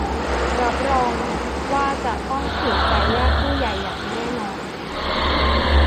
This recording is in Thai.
รับรองว่าจะต้องถูกใจญาติผู้ใหญ่อย่างแน่นอน